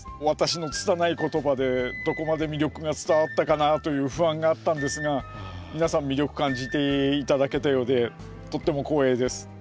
私のつたない言葉でどこまで魅力が伝わったかなという不安があったんですが皆さん魅力感じて頂けたようでとっても光栄です。